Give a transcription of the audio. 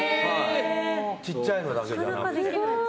ちっちゃいのだけじゃなくて。